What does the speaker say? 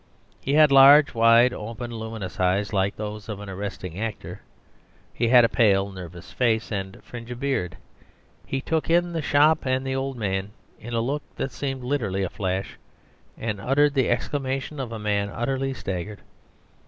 He had large, wide open, luminous eyes like those of an arresting actor; he had a pale, nervous face, and a fringe of beard. He took in the shop and the old man in a look that seemed literally a flash and uttered the exclamation of a man utterly staggered.